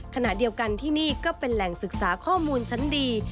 ขณะเดียวกันที่นี่ก็เป็นแหล่งศึกษาข้อมูลชั้นดี